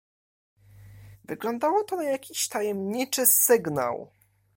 "Wyglądało to na jakiś tajemniczy sygnał."